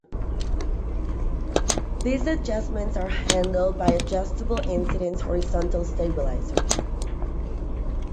These adjustments are handled by adjustable incidence horizontal stabilizers.